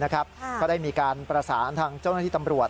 ก็ได้มีการประสานทางเจ้าหน้าที่ตำรวจ